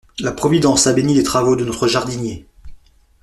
La providence a béni les travaux de notre jardinier.